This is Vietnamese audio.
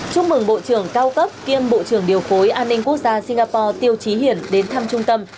chúc mừng bộ trưởng cao cấp kiêm bộ trưởng điều phối an ninh quốc gia singapore tiêu trí hiển đến thăm trung tâm